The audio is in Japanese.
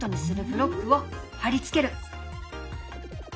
ブロックを貼り付ける。